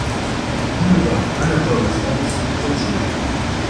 Boulevard Anatole-France, Poitiers